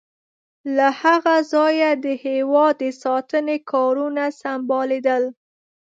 له هغه ځایه د هېواد د ساتنې کارونه سمبالیدل.